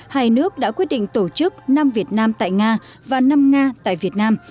hai nước đã quyết định tổ chức năm việt nam tại nga và năm nga tại việt nam